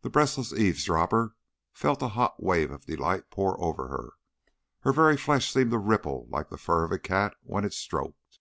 The breathless eavesdropper felt a hot wave of delight pour over her, her very flesh seemed to ripple like the fur of a cat when it is stroked.